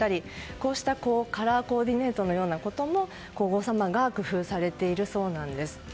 こうしたカラーコーディネートのようなことも皇后さまが工夫されているそうなんです。